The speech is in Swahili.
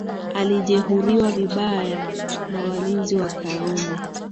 Alijeruhiwa vibaya na walinzi wa Karume